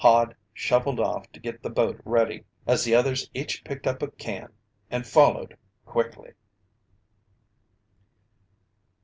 Hod shuffled off to get the boat ready as the others each picked up a can and followed quickly.